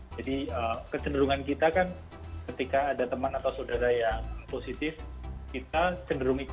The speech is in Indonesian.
jadi kecenderungan kita kan ketika ada teman atau saudara yang positif kita cenderung ikut